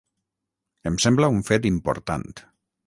Em sembla un fet important.